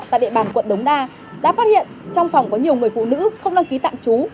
tại địa bàn quận đống đa đã phát hiện trong phòng có nhiều người phụ nữ không đăng ký tạm trú